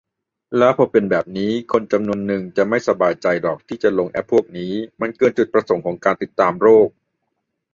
แล้วพอเป็นแบบนี้ คนจำนวนนึงจะไม่สบายใจหรอกที่จะลงแอปพวกนี้ มันเกินจุดประสงค์ของการติดตามโรค